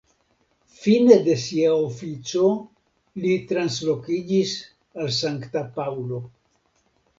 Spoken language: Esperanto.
Fine de sia ofico li translokiĝis al Sankta Paŭlo.